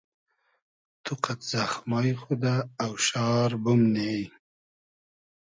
تو قئد زئخمای خو دۂ اۆشار بومنی